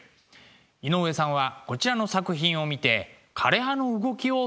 井上さんはこちらの作品を見て枯れ葉の動きを想像したんですか？